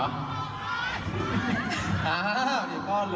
ไม่ได้กินเหรอ